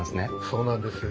そうなんです。